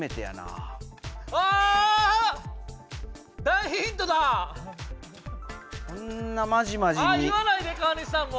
あっ言わないで川西さんもう。